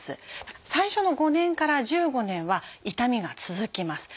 最初の５年から１５年は痛みが続きます。